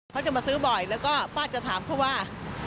เขาจะมาซื้อบ่อยแล้วก็ป้าจะถามเขาว่า